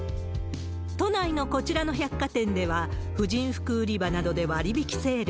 都内のこちらの百貨店では、婦人服売り場などで割引セール。